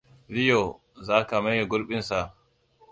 Leo za ka maye gurbinsa?